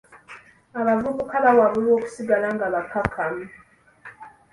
Abavubuka baawabulwa okusigala nga bakkakkamu.